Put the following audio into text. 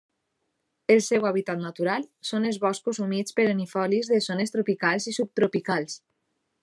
El seu hàbitat natural són els boscos humits perennifolis de zones tropicals i subtropicals.